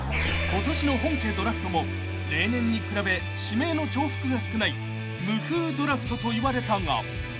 ［ことしの本家ドラフトも例年に比べ指名の重複が少ない無風ドラフトといわれたが］